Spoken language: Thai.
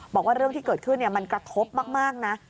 บอกว่าเรื่องที่เกิดขึ้นมันกระทบมากนะ